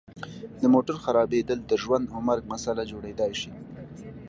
د موټر خرابیدل د ژوند او مرګ مسله جوړیدای شي